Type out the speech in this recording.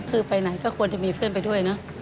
คือไปไหนก็ควรจะมีเพื่อนไปด้วยเนอะ